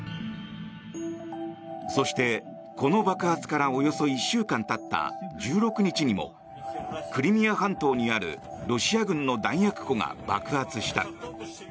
そして、この爆発からおよそ１週間たった１６日にもクリミア半島にあるロシア軍の弾薬庫が爆発した。